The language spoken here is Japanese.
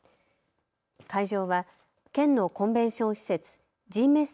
会場は県のコンベンション施設、Ｇメッセ